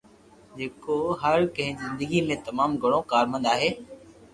جيڪو هر ڪنهن جي زندگي ۾ تمام گهڻو ڪارآمد آهي